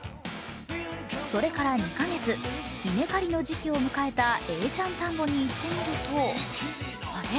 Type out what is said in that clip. それから２か月、稲刈りの時期を迎えた永ちゃん田んぼに行ってみると、あれ？